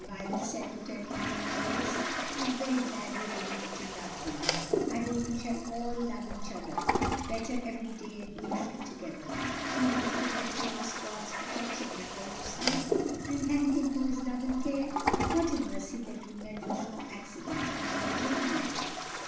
Violet said, returning the embrace, "I am very glad you are beginning to love me. I hope we shall all love each other better every day and be very happy together. You won't forget to ask God's protection before you sleep, and thank him for his love and care? What a mercy that we met with no accident on our journey!"